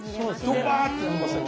ドバーってなりません？